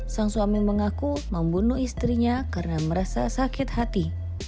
sang suami mengaku membunuh istrinya karena merasa sakit hati